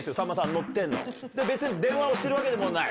乗ってんの別に電話をしてるわけでもない。